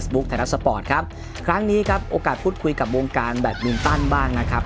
วันนี้ครับโอกาสพูดคุยกับวงการแบตมินตันบ้างนะครับ